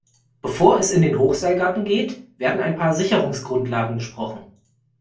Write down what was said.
Bevor es in den Hochseilgarten geht, werden ein paar Sicherungsgrundlagen besprochen.